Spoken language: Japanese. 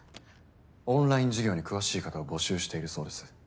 オンライン事業に詳しい方を募集しているそうです。